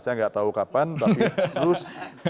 saya tidak tahu kapan tapi terus sedang dikaji